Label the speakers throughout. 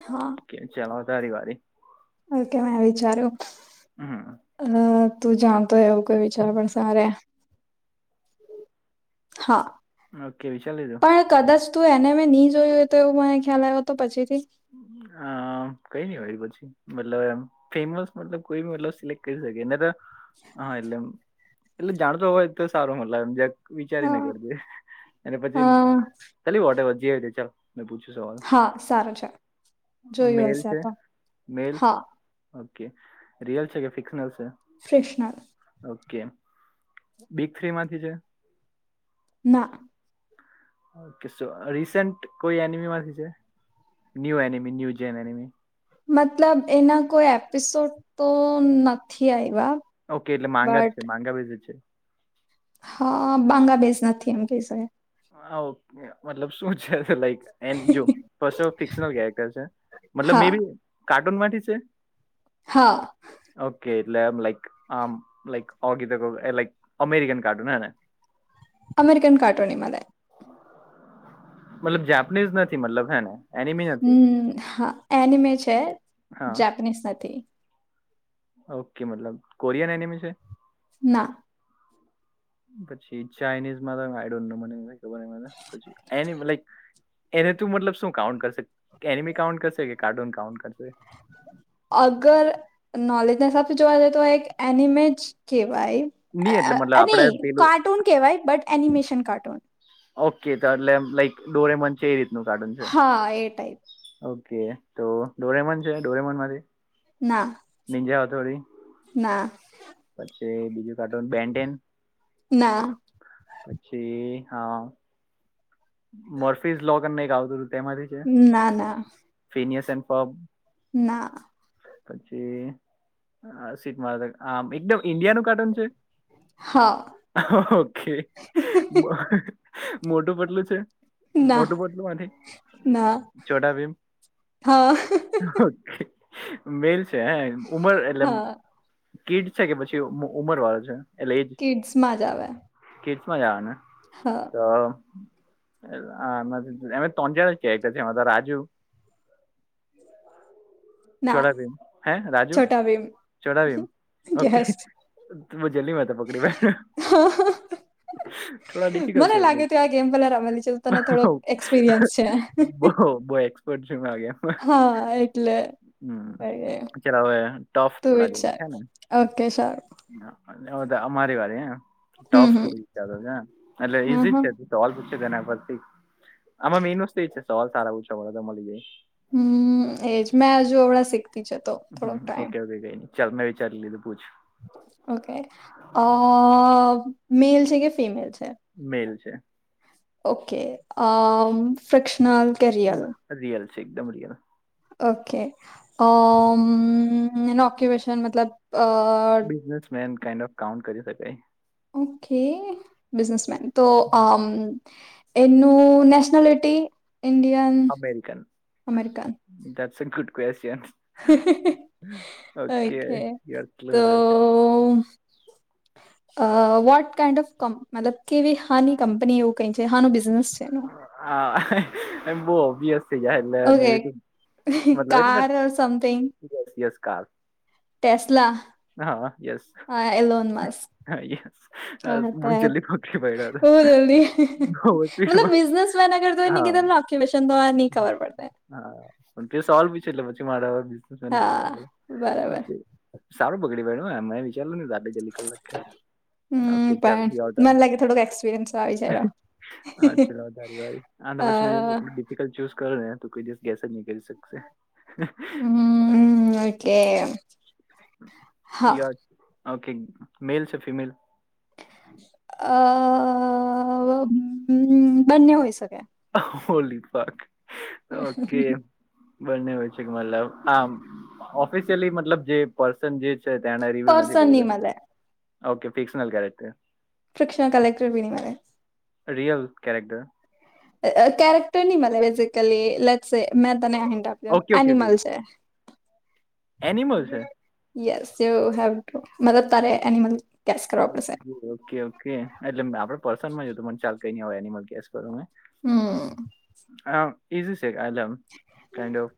Speaker 1: હા.
Speaker 2: ચલ હવે તારી વારી.
Speaker 1: ઓકે મારી ચાલો
Speaker 2: હા હમ
Speaker 1: અ તું જાણતો એવું કઈ વિચાર પણ સારે હા.
Speaker 2: ઓકે વિચાર લીધું?
Speaker 1: પણ કદાચ તું એને મેં નહી જોયું હોય તો એવું મને ખ્યાલ આવ્યો તો પછીથી
Speaker 2: આ કઈ ની હોય પછી મતલમ એમ ફેમસ મતલબ કોઈ મતલબ સિલેક્ટ કરી શકે નતર હહ એટલે એમ એટલે જાણતો હોય તો સારું મતલબ એમ જે વિચારીને
Speaker 1: હા
Speaker 2: કરજે અને પછી
Speaker 1: અ
Speaker 2: ચલી વોટેવર જે હેતે ચલ મેં પૂછું સવાલ.
Speaker 1: હા સારું ચલ. જોયું
Speaker 2: મેલ
Speaker 1: હશે
Speaker 2: છે
Speaker 1: આતો
Speaker 2: મેલ
Speaker 1: હા.
Speaker 2: ઓકે રિયલ છે કે ફિક્શનલ છે?
Speaker 1: ફ્રેશનર.
Speaker 2: ઓકે બીક થ્રી માથી છે.
Speaker 1: ના.
Speaker 2: ઓકે સો રિસેન્ટ કોઈ એનિમીમાંથી છે? New anime new gen anime?
Speaker 1: મતલબ એના કોઈ એપિસોડ તો નથી આયવા.
Speaker 2: ઓકે એટલે માંગા જ છે માંગા બેઝ જ છે.
Speaker 1: હહ બાંગા બેઝ નથી એમ કહી શકાય.
Speaker 2: હા ઓકે મતલબ શું છે તે લાઈક? જો ફિકનલ કેરેક્ટર છે મતલબ મે
Speaker 1: હા
Speaker 2: બી કાર્ટૂન માંથી છે.
Speaker 1: હા.
Speaker 2: ઓકે એટલે આમ લાઈક આમ લાઈક ઓગી લક અમેરિકન કાર્ટૂન હેને
Speaker 1: અમેરિકન કાર્ટૂન ની માં થાય.
Speaker 2: [inaudible] મતલબ જાપનીઝ નથી મતલબ હે ને. એનિમી નથી
Speaker 1: હમ હા એનીમે છે
Speaker 2: હા
Speaker 1: જાપનીઝ નથી.
Speaker 2: ઓકે મતલબ કોરિયન એનિમી છે
Speaker 1: ના.
Speaker 2: પછી ચાાઈનીઝ માં આઈડોન્ટ નો [unintelligible] પછ એ લક એને તું મતલબ શું કાઉન્ટ કરશે એનેમી કાઉન્ટ કરશે. કાર્ટૂન કાઉન્ટ કરશે.
Speaker 1: અગર. નોલેજ ના હિસાબ જોવા જઈ તો એક એનિમે જ કેહેવાય.
Speaker 2: નહીં એટલે મતલબ આપણે
Speaker 1: નહી
Speaker 2: પેલું
Speaker 1: કાર્ટૂન કેહેવાય બટ એનિમેશન કાર્ટૂન.
Speaker 2: ઓકે તો એટલે લાઈક ડોરેમોન છે એ રીતનું કાર્ટૂન છે.
Speaker 1: હા એ ટાઈપ
Speaker 2: ઓકે તો ડોરેમોન છે ડોરેમન માંથી.
Speaker 1: ના
Speaker 2: નીનજા હથોડી
Speaker 1: ના
Speaker 2: પછી બીજું કાર્ટૂન બેન ટેન.
Speaker 1: ના
Speaker 2: પછી હા મર્ફિઝ લોક ન આવતું હતું તેમાંથી
Speaker 1: ના ના
Speaker 2: ફિનસ એ ફો
Speaker 1: ના
Speaker 2: પછી સ આ એકદમ ઇન્ડિયાનુંું કાર્ટૂન
Speaker 1: હા
Speaker 2: ઓકે મોટું બટલું છે
Speaker 1: ના
Speaker 2: મોટું બોટલું માંથી
Speaker 1: ના
Speaker 2: ચોડા બીમ
Speaker 1: હા
Speaker 2: મેલ છે હે ઉમર એટલે
Speaker 1: હા
Speaker 2: કીડ છે કે પછી ઉમર વાળો છે
Speaker 1: કિડ્સમાં જ આવે
Speaker 2: કે મજા આવે ને
Speaker 1: હા
Speaker 2: તો અમે તંજાણા ક્યા કે છે એમાં તો રાજુ
Speaker 1: ના
Speaker 2: ચોરાાવીમ હે રાજુ
Speaker 1: છોટા ભીમ
Speaker 2: ચોરાાવીમ ઓકે
Speaker 1: યસ
Speaker 2: ું જલ્લી મે ત પકડી મે
Speaker 1: હા હ
Speaker 2: થોડા ડિફિકલ્ટ છે
Speaker 1: તો આ ગેમ પેલા રમેલી છે તો તને થોડોક એક્સપિરિયન્સ છે
Speaker 2: બહ બહુ એક્સપર્ટ છે મે આગે
Speaker 1: હા એટલે
Speaker 2: હમ
Speaker 1: એ
Speaker 2: ચ હવે ટોફ
Speaker 1: તું
Speaker 2: થોડા જેવા
Speaker 1: વિચાર
Speaker 2: હેને
Speaker 1: ઓકે સારું
Speaker 2: હ હ અ મારી વારી
Speaker 1: હમ
Speaker 2: ટાફ
Speaker 1: હમ
Speaker 2: થોડી છે અ
Speaker 1: હમ
Speaker 2: ઇઝી
Speaker 1: હમ
Speaker 2: છે સોલ પૂછે તેના પરથી આમાં મેઇન વસ્તુ એ છે સોલ સારા પૂછવા મળ તો મળી જાય
Speaker 1: હમ એજ મેં હજુ હળં શીખતી જતો થોડોક ટાઈમ
Speaker 2: ઓકે ઓકે કઈ નહીં ચાલ મેં વિચારી લીધું પૂછ
Speaker 1: ઓકે મેલ છે કે ફિમેલ છે
Speaker 2: મેલ છે
Speaker 1: ઓકે ફશનલ
Speaker 2: ના રિયલ છે એકદમ રિયલ
Speaker 1: ઓકે ઓક્યુપેશન મતલબ અ
Speaker 2: બિઝનેસમેન કાઇન્ડ ઓફ કાઉન્ટ કરી શકાય
Speaker 1: ઓકે બિઝનેસમન તો એનું nationality India
Speaker 2: American that's good question
Speaker 1: okay તો
Speaker 2: બ
Speaker 1: અ વોટ કાઇન્ડ ઓફ ક મતલબ કેવી હાની કંપની એવું કઈ છે હાનું બિઝનેસ છે એનું
Speaker 2: હા એમ બહ ઓવિયસ મે
Speaker 1: ઓકે કાર ઓર
Speaker 2: મતલબસયસ કાલ
Speaker 1: ટેસલા
Speaker 2: હા સસ મંચલ્લી
Speaker 1: [unintelligible]
Speaker 2: બહુ જ
Speaker 1: મલબ
Speaker 2: સ્પીડમાં
Speaker 1: બિઝનેસન અર તો એની
Speaker 2: હા
Speaker 1: કેકનની ખબર પડતા
Speaker 2: હા પણ તે સોલ્ બી છે એટલે પછી મારાવા બી
Speaker 1: હા બરાબર
Speaker 2: સારું બગડી બેડ્યું વિચાર ન ત જલ્દી કલાક
Speaker 1: હમ
Speaker 2: ઓકે ચાલ
Speaker 1: પણ
Speaker 2: યોર
Speaker 1: મને
Speaker 2: ટર્ન
Speaker 1: લાગે થોડોક એક્સપિરિયન્સ આવી જ
Speaker 2: હા ચલો વધારી વા
Speaker 1: અ
Speaker 2: પછી ચૂ કરો ને તો કોઈ દિવસ ગસ જ નીકળી શકશે
Speaker 1: હમ ઓકે હા
Speaker 2: યસ ઓકે મેલ છે ફિમેલ
Speaker 1: અ બંને હોઈ શકે
Speaker 2: હોલીપક ઓકે બંને તલબ હ ઓફિસલી મતલબ જે ન જે છે ર્યલ
Speaker 1: પર્સન ની
Speaker 2: નથી્યું
Speaker 1: મલે
Speaker 2: ઓકે ફિકક્ટર
Speaker 1: પ્રક્ષષણ કલેક્ટર બીડી મારે
Speaker 2: રિયલ ક્યારેક્ટર
Speaker 1: કેરેક્ટર નની મળ બેઝિકલી લેટ એ મેં તનેમ
Speaker 2: ઓકે ઓકે ઓકે
Speaker 1: એનિમલ છે
Speaker 2: એનિમલ છે
Speaker 1: યસ યુ હવ ટ મદ તારે એનીમલ
Speaker 2: ઓકે ઓકે ઓકે એટલે આપડે પર્સનમાં જ હતું મને ચાલ કઈ ન હોય એનિમલ કેસ કરું મેં
Speaker 1: હમ
Speaker 2: હ ઇઝી છેલમ કન્ડ ઓફ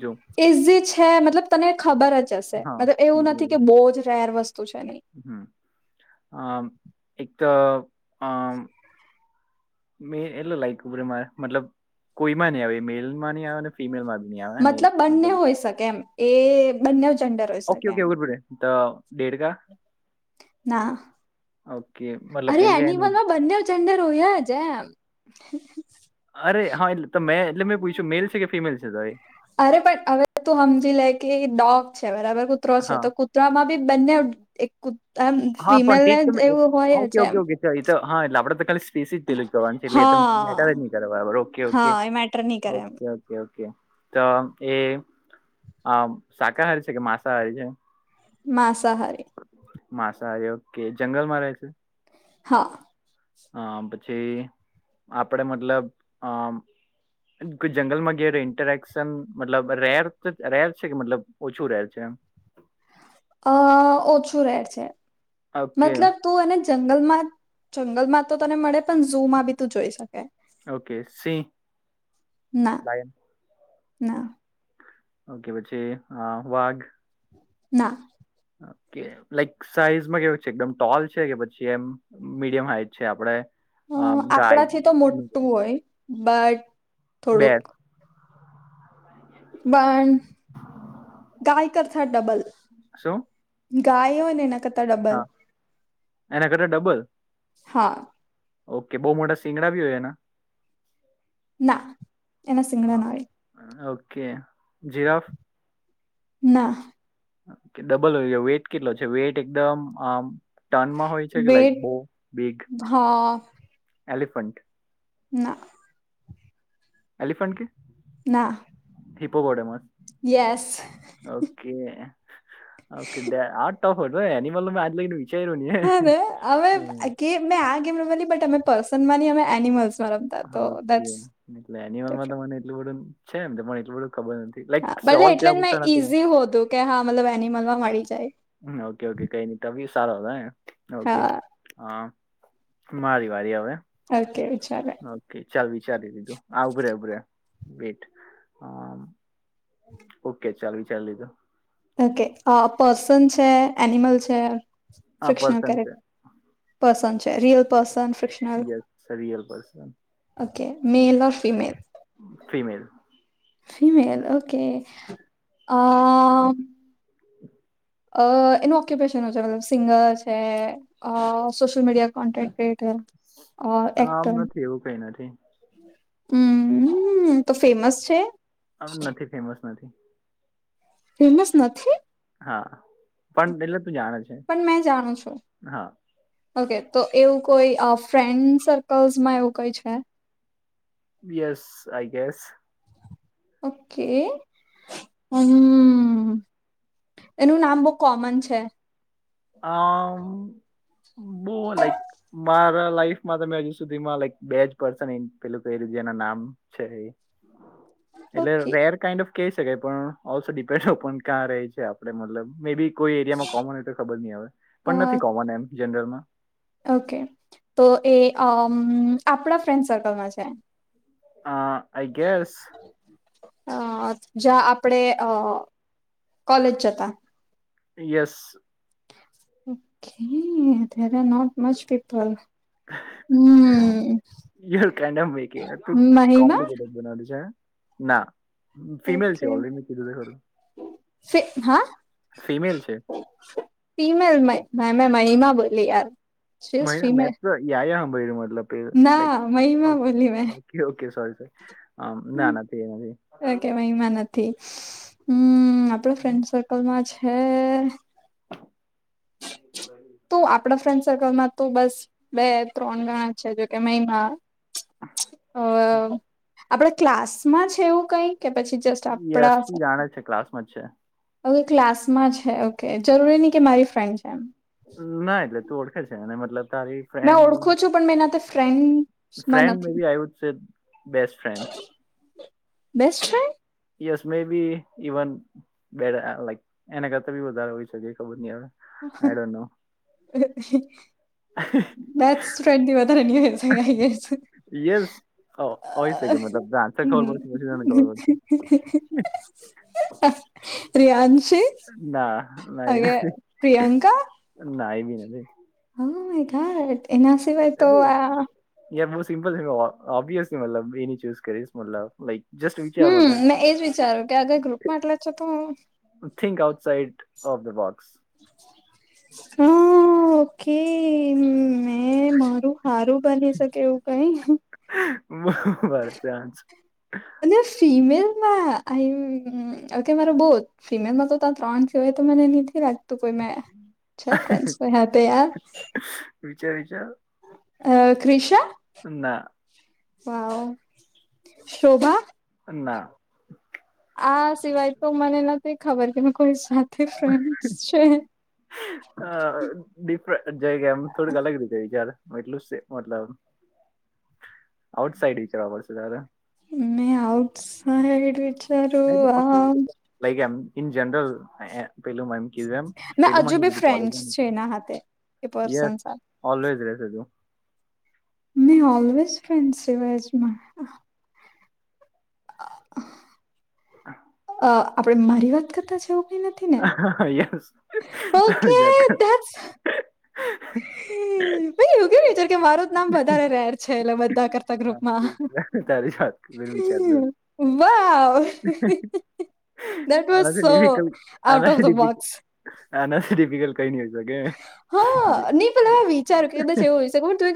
Speaker 2: જો
Speaker 1: ઈઝી છે મતલબ તને ખબર જ હશે
Speaker 2: હા
Speaker 1: મતલબ એવું નથી કે બહુ જ રેર વસ્તુ છે નહી
Speaker 2: હમ અ એક તો અ મે એટલે લાયકર મારે મતલબ કોઈ માં ન આવે મેલ માં ન આવે ફીમેલ માધુ
Speaker 1: મતલબ બંને હોઈ શકે એમ એ બંને જન્ડર હોય
Speaker 2: ઓકે,
Speaker 1: શકે
Speaker 2: ઓકે
Speaker 1: એમ
Speaker 2: તો ડેડકા
Speaker 1: ના
Speaker 2: ઓકે મતલબ
Speaker 1: અરે
Speaker 2: કેમ કે એનું
Speaker 1: એનિમલમાં બંને ચંંદર હોયા જ એમ
Speaker 2: અરે હા એટલે તો મેં એટલે મેં પૂછ્યું મેલ છે કે ફિમેલ છે તો
Speaker 1: અરે પણ હવે તું સમજી લે કે ડોગ છે બરાબર કૂતરો છે
Speaker 2: હા.
Speaker 1: તો તો આમાં બી બંને એક એમ ફિમેલને એવું હોય છે એમ
Speaker 2: ઈ તો હા અડ ક સીસી જ પેલું જ કરવાનું છે એટલે એ મેટ જ
Speaker 1: હા
Speaker 2: નહી કરવા બબર ઓકે ઓકે
Speaker 1: હા એ મેટર નહી કરે એમ
Speaker 2: ઓકે ઓકે. કે ઓકે તો એ શાકાહારી છે કે માંસાહારી છે
Speaker 1: માંસાહારી.
Speaker 2: માંસાહારી ઓકે જંગલમાં રહે છે.
Speaker 1: હા.
Speaker 2: અ પછી આપડ મતલબ અમ. કોઈ જંગલમાં ગય ઇન્ટરેક્શન મતલબ રેર રેહર છે કે મતલબ ઓછું રેહર છે એમ.
Speaker 1: અ ઓછું રહેેર છે
Speaker 2: ઓકે
Speaker 1: મતલબ તું એને જંગલમાં જંગલમાં તો તને મળે પણ ઝુ માં બી તું જોઈ શકે.
Speaker 2: ઓકે સિંહ
Speaker 1: ના
Speaker 2: લાયન.
Speaker 1: ના.
Speaker 2: ઓકે પછી વાઘ.
Speaker 1: ના.
Speaker 2: કે લાઈક સાઈઝમાં કેવાય છે એકદમ ટોલ છે કે પછી એમ મીડિયમ હાઈટ છે આપડે.
Speaker 1: અ
Speaker 2: આમ ગાય
Speaker 1: આપણાથી તો મોટું હોય બટ
Speaker 2: બે
Speaker 1: થોડુંક પણન ગાય કરતા ડબલ.
Speaker 2: શું.
Speaker 1: ગાય હોય ને એના કરતા ડબલ
Speaker 2: હા એના કરતા ડબલ
Speaker 1: હા.
Speaker 2: ઓકે બહુ મોટા સીંગડા ભી હોય એના.
Speaker 1: ના એના સિંગડા
Speaker 2: હા.
Speaker 1: ના હોય.
Speaker 2: Okay giraffe.
Speaker 1: ના.
Speaker 2: કે ડબલ હોય વેટ કેટલો છે વેટ એકદમ આમ ટર્નમાં હોય. છે કે લાઈક
Speaker 1: વેટ
Speaker 2: બો બીગ.
Speaker 1: હા.
Speaker 2: એલિફન્ટ.
Speaker 1: ના.
Speaker 2: એલિફન્ટ કે.
Speaker 1: ના.
Speaker 2: Hippopotamus.
Speaker 1: Yes.
Speaker 2: Okay okay આ ટફ એનીમલ મે આજ લગનેચ
Speaker 1: હા મે અમે મેં આ ગેમ રમવાની બટ અમે પર્સન માંની અમે એનિમલ્સ.
Speaker 2: હમ એટલે એનિમલમાં
Speaker 1: ડિફરન્ટ
Speaker 2: મને એટલું બધું છે એમ તને એટલું બધું ખબર નથી. લાઈક
Speaker 1: હા ભલે
Speaker 2: સવાલ
Speaker 1: એટલે
Speaker 2: કેવા
Speaker 1: જ મેં
Speaker 2: પૂછવા નથી
Speaker 1: ઈઝી હોતું કે હા મતલબ એનિમલ માં મળી જાય.
Speaker 2: ઓકે ઓકે કઈ નહી તફી સારા ઓકે.
Speaker 1: હા
Speaker 2: હા મારી વાળી હવે.
Speaker 1: ઓકેે ચાલે.
Speaker 2: ઓકે ચાલ વિચારી દીધું આવભરે ઉભરે બેટ અ. ઓકે ચાલ વિચાર લીધો.
Speaker 1: ઓકે પર્સન છે એનિમલ છે
Speaker 2: આ
Speaker 1: ફિક્શનલ
Speaker 2: પર્સન છે
Speaker 1: કેરેક્ટર. પર્સન છે રિયલ પર્સન ફિક્.
Speaker 2: Yes real person.
Speaker 1: Okay male ઓ ફીમેલ? !
Speaker 2: ફિમેલ.
Speaker 1: ફિમેલ ઓકે અ અ એનું ઓક્યુપેશન છે મતલબ સિંગર છે. અ સોશિલ મીડિયા કોન્ટેન્ટ ક્રિએેટર.
Speaker 2: આમ નથી એવું કઈ નથી.
Speaker 1: હમ તો ફેમસ છે.
Speaker 2: આમ નથી ફેમસ નથી.
Speaker 1: ફેમસ નથી!
Speaker 2: હા પણ એટલે તું જાણ જ છે.
Speaker 1: પણ મેં જાણું છું.
Speaker 2: હા
Speaker 1: ઓકે તો એવું કોઈ ફ્રેન્ડ સર્કલ્સ માં એવું કોઈ છે.
Speaker 2: Yes I guess.
Speaker 1: ઓકે [inaudible] હમ્મ. એનું નામ બહુ કોમન છે.
Speaker 2: આ બહ લાઈક મારા લાઈફ હજુ સુધીમાં લક બે જ પર્સન પેલું ક્યું છે એના નામ છે. એટલે
Speaker 1: ઓકે
Speaker 2: રેર કાઇન્ડ ઓફ કહી શકાય પણ ઓલ્સો ડિપેન્ડ ઓપોન ક્યાં રહી છે આપડે મતલબ મે બી કોઈ એરિયામાં કોમન હો તો ખબર નહી આવે
Speaker 1: અ
Speaker 2: પણ નથી કોમન એમ જનરલમાં.
Speaker 1: ઓકે તો એ અ આપણા ફ્રેન્ડ સર્કલમાં છે.
Speaker 2: આ આઈ ગેસ.
Speaker 1: અ જ્યાં આપડે અ કોલેજ જતા!
Speaker 2: Yes.
Speaker 1: Okay there are not much people. હમ
Speaker 2: ય કો બનાું છે
Speaker 1: મહિમા
Speaker 2: [unintelligible] ના ફિમેલ છે ઓલરેડી મે કીધું તો ખરું.
Speaker 1: સે હા?
Speaker 2: ફિમેલ છે
Speaker 1: ફીમેલ મે મહિમા બોલી યાર. She is
Speaker 2: Mahi May
Speaker 1: female
Speaker 2: તો યાયા મ બોલ્યો મતલબ. એ
Speaker 1: ના
Speaker 2: લાઈક
Speaker 1: મહિમા બોલી મેં.
Speaker 2: ઓકે સોરી સોરી ના ના એ નથી.
Speaker 1: થી હમ્મ આપણા ફ્રેન્ડ સર્કલમાં છે.
Speaker 2: [inaudible]
Speaker 1: તો આપડા ફ્રેન્ડ સર્કલમાં તો બસ બે ત્રણ ગણા છે, જોકે મહિમા હો હ. આપણે ક્લાસમાં છે એવું કઈ કે પછી જસ્ટ
Speaker 2: એ
Speaker 1: આપડા જ
Speaker 2: અસ્તી જાણે છે ક્લાસમાં જ છે
Speaker 1: ઓકે ક્લાસમાં છે ઓકે જરૂરી નહી કે મારી ફ્રેન્ડ છે એમ.
Speaker 2: ના એટલે તું ઓળખે છે ને મતલબ તારી
Speaker 1: મેં
Speaker 2: ફ્રેન્ડ મે
Speaker 1: ઓળખું છું પણ મેં એના ફ્રેન્ડમાં
Speaker 2: ફ્રેન્ડ મે
Speaker 1: નથી
Speaker 2: આઈ છે best friend.
Speaker 1: Best friend!
Speaker 2: Yes maybe even બે લક એના કરતા બી વધારે હોય શકે ખબર નહિ હવે. આઈ
Speaker 1: [inaudible]
Speaker 2: અ હ.
Speaker 1: બેસ્ટ ફ્રેન્ડ ની વધારેનીય છે.
Speaker 2: યસ હોય શકે મતલબ આન્સર ખબર પડશે પછી તને ખબર
Speaker 1: હમ્મ.
Speaker 2: પડશે
Speaker 1: રિયાંશી!
Speaker 2: ના ના એ
Speaker 1: અગે
Speaker 2: નથી ના એબી નથી.
Speaker 1: હ ખાય એના સિવાય તો
Speaker 2: અરે
Speaker 1: આ
Speaker 2: યાર બહુ સિમ્પલ છે ઓબ્યસલી મતલબ બેની ચૂસ કરીશ મતલબ. જસ્ટ વિચાર
Speaker 1: હમ્મ
Speaker 2: મતલબ
Speaker 1: મેં એજ વિચાર્યું કે આગર ગ્રુપમાં એટલે છે તો હું.
Speaker 2: Think outside of the box.
Speaker 1: Hmm okay મે મારું હારું બની શકે એવું કઈ નઈ,
Speaker 2: [inaudible]
Speaker 1: અને ફિમેલમાં આઇમ આકે મારો બો ફિમેલમાં તો ત્યાં ત્રણ સવાય તો મનેથી તો કોઈ મેં છે ફ્રેડ [inaudible] યાર
Speaker 2: વિચાર વિચાર.
Speaker 1: અ ક્રિશા!
Speaker 2: ના.
Speaker 1: વાવ શોભા
Speaker 2: ના.
Speaker 1: આ સિવાય તો મને નથી ખબર કે કોઈ સાથે ફ્રેન્ડ છે,
Speaker 2: [inaudible] ડિફર જઈ કે એમ થોડીક અલગ રીતે વિચાર એટલું મતલબ આઉટ સાઇડ વિચરવા પડશે તારે,
Speaker 1: ને [unintelligible]
Speaker 2: [inaudible] લઈગયા ઇન જનરલ પેલૂ એમ.
Speaker 1: મેં
Speaker 2: પેલું
Speaker 1: હજુ
Speaker 2: મન
Speaker 1: બી ફ્રેન્ડસ છે એના હાથે એ પર્સન સાથે
Speaker 2: કીધું [inaudible]
Speaker 1: મે ઓલવેઝ ફ્રેન્ડ છે [unintelligible] અ હ.
Speaker 2: [unintelligible]
Speaker 1: અ આપણે મારી વાત કરતા જેવું,
Speaker 2: હા યસ [inaudible]
Speaker 1: ઓકે હ પાઈ એવું કે વિચાર કે મારું જ નામ વધારેર. છે, એટલે બધા કરતા
Speaker 2: હા
Speaker 1: ગ્રુપમાં
Speaker 2: તે જ તારી જાત પેલું વિચારલું
Speaker 1: [inaudible] વાવ દેટ વઝ
Speaker 2: આનાથી
Speaker 1: સો
Speaker 2: ડિફિકલ્ટ
Speaker 1: આઉટ ઓફ
Speaker 2: આનાથી
Speaker 1: ધ
Speaker 2: ડિફિક
Speaker 1: બોક્સ.
Speaker 2: આનાથી ડિફીકલ કઈ ની હોઈ શકે
Speaker 1: [unintelligible] કી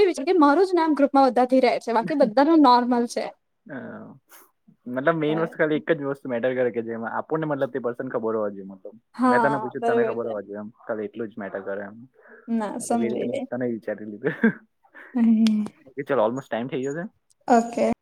Speaker 1: વિચાર કે મારું જ નામ ગ્રુપમાં બધાથી રહે છે બાકી બધાનું નોર્મલ છે.
Speaker 2: હા મતલબ મેઇન
Speaker 1: બરાબર.
Speaker 2: વસ્તુ. ખાલી એક જ વસ્તુ મેટર કરે કે જેમાં આપણને મતલબ તે પર્સન ખબર હોવા જોઈએ મતલબ. મેં તને
Speaker 1: હા
Speaker 2: પૂછ્યું તને
Speaker 1: બરોબર
Speaker 2: ખબર
Speaker 1: છે
Speaker 2: હોવા જોયે એમ. કાલે એટલું જ મેટર કરે એમ
Speaker 1: ના
Speaker 2: મતલબ એ રીતે મ તને વિચારી લીધું.
Speaker 1: હમ.
Speaker 2: ઓલમોસ્ટ ટાઈમ થઇ ગ્યો છે
Speaker 1: ઓકે.